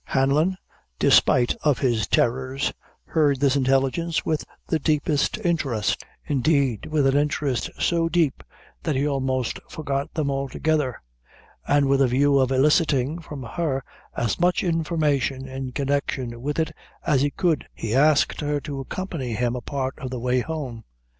Hanlon, despite of his terrors, heard this intelligence with the deepest interest indeed, with an interest so deep, that he almost forgot them altogether; and with a view of eliciting from her as much information in connection with it as he could, he asked her to accompany him a part of the way home.